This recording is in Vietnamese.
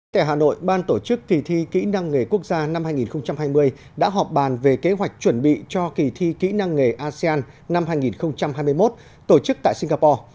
tại hà nội ban tổ chức kỳ thi kỹ năng nghề quốc gia năm hai nghìn hai mươi đã họp bàn về kế hoạch chuẩn bị cho kỳ thi kỹ năng nghề asean năm hai nghìn hai mươi một tổ chức tại singapore